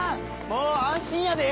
もう安心やで！